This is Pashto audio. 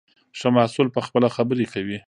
ښه محصول پخپله خبرې کوي.